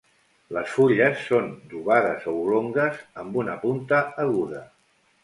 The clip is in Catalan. Les fulles són d'ovades a oblongues amb una punta aguda.